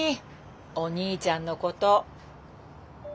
お兄ちゃんのこと。